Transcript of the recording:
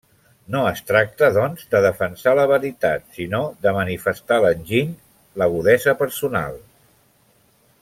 No es tracta, doncs, de defensar la veritat sinó de manifestar l'enginy, l'agudesa personal.